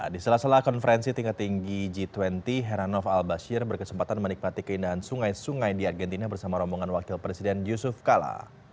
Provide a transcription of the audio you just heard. di sela sela konferensi tingkat tinggi g dua puluh heranov al bashir berkesempatan menikmati keindahan sungai sungai di argentina bersama rombongan wakil presiden yusuf kala